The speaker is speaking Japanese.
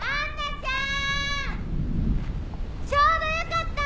・ちょうどよかった！